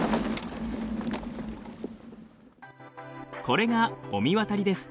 これが御神渡りです。